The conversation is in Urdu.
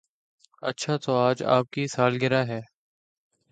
اچھا تو آج آپ کی سالگرہ ہے